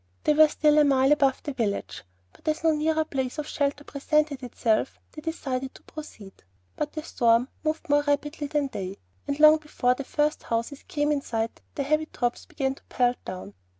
They were still a mile above the village; but as no nearer place of shelter presented itself, they decided to proceed. But the storm moved more rapidly than they; and long before the first houses came in sight the heavy drops began to pelt down.